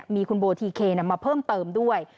มีคุณโบทีเคมาเพิ่มเติมด้วย